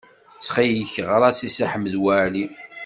Ttxil-k, ɣer-as i Si Ḥmed Waɛli.